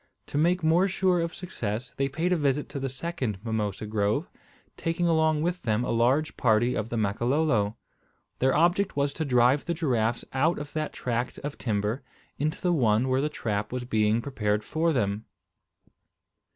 To make more sure of success they paid a visit to the second mimosa grove, taking along with them a large party of the Makololo. Their object was to drive the giraffes out of that tract of timber into the one where the trap was being prepared for them.